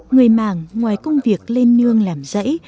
người mạng ngoài công việc lên nương làm dãy